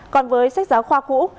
còn với sách giáo khoa cũ